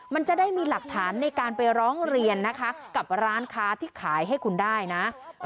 มันจะได้มีหลักฐานในการไปร้องเรียนนะคะกับร้านค้าที่ขายให้คุณได้นะ